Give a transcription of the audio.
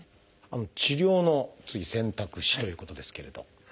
「治療の選択肢」ということですけれど。